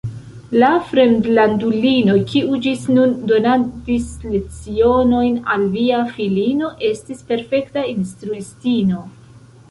La fremdlandulino, kiu ĝis nun donadis lecionojn al via filino, estis perfekta instruistino.